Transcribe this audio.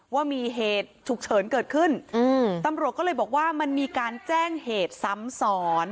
ว่ามีเหตุฉุกเฉินเกิดขึ้นอืมตำรวจก็เลยบอกว่ามันมีการแจ้งเหตุซ้ำซ้อน